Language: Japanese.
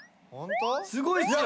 すごいっすよ。